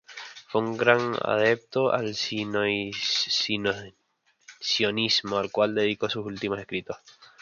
Fue un gran adepto al sionismo, al cual dedicó sus últimos escritos.